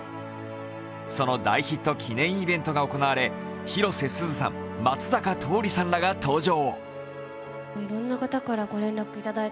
その大ヒット記念イベントが行われ、広瀬すずさん、松坂桃李さんらが登場。